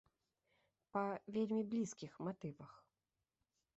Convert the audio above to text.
Па вельмі блізкіх матывах.